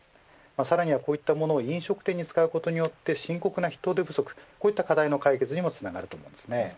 さらにはこういったものを飲食店に使うことによって深刻な人手不足こういった課題の解決にもつながると思います。